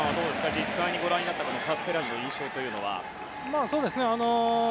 実際にご覧になったカステラニの印象は。